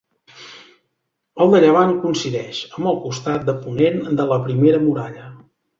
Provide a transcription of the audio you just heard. El de llevant coincideix amb el costat de ponent de la primera muralla.